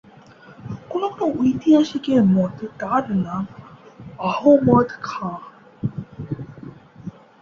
কোন কোন ঐতিহাসিকের মতে তার নাম আহমদ খা।